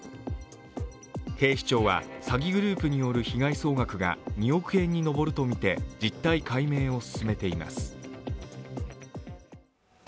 警視庁は、詐欺グループによる被害総額が２億円に上るとみて実態解明を進めています。